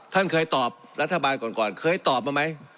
ท่านเคยตอบรัฐบาลก่อนก่อนเคยตอบมาไหม